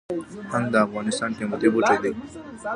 هنګ د افغانستان قیمتي بوټی دی